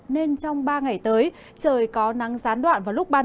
nên trong ba ngày tới trời có nắng gián đoạn vào lúc ban ngày